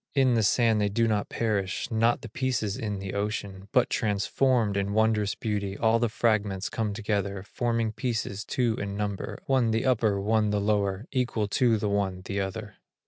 In the sand they do not perish, Not the pieces in the ocean; But transformed, in wondrous beauty All the fragments come together Forming pieces two in number, One the upper, one the lower, Equal to the one, the other.